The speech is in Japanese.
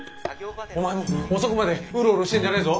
お前も遅くまでウロウロしてんじゃねえぞ。